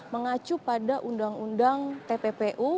mengacu pada undang undang tppu